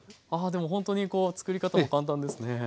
あでもほんとに作り方も簡単ですね。